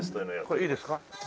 これいいですか？